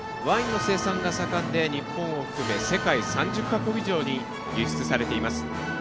ワインの生産が盛んで日本を含め世界３０か国以上に輸出されています。